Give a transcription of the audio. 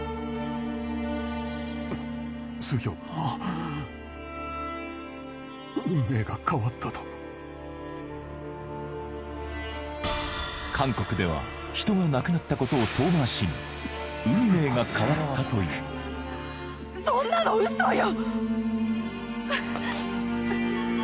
スヒョンの運命が変わったと韓国では人が亡くなったことを遠回しにというそんなのウソよ！